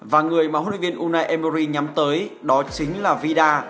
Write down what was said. và người mà huấn luyện viên unai emery nhắm tới đó chính là vida